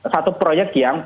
satu proyek yang